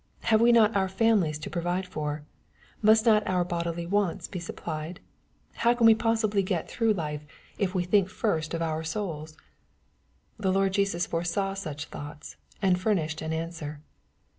" Have we not our families to provide for ? Must not our bodily wants be supplied ? How can we possibly get through life, if we think first MATTHEW^ CHAP. VI. 09 of our souls ?" The Lord Jesus foresaw such thoughts, and furnished an answer.